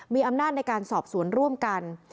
มีอำนาจในการสอบสวนร่วมกัน